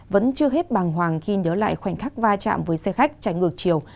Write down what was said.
vẫn chưa hết bàng hoàng khi nhớ lại khoảnh khắc vai trạm với xe khách chạy ngược chiều